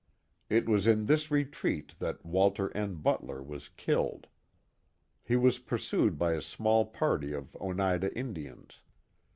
It was in this retreat that Walter N. Butler was killed. He was pur sued by a small party of Oneida Indians.